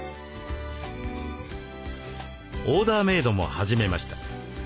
オーダーメードも始めました。